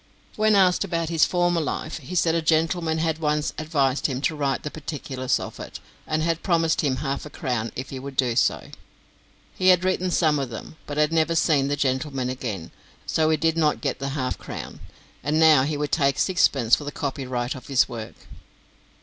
When asked about his former life, he said a gentleman had once advised him to write the particulars of it, and had promised him half a crown if he would do so. He had written some of them, but had never seen the gentleman again, so he did not get the half crown; and now he would take sixpence for the copyright of his work.